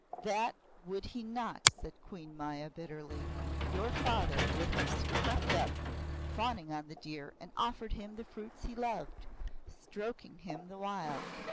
"That would he not!" said Queen Maya bitterly. "Your father would have crept up, fawning on the deer, and offered him the fruits he loved, stroking him the while.